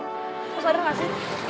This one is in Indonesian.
nggak usah terima kasih